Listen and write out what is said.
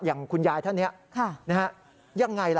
อย่างคุณยายท่านนี้ยังไงล่ะ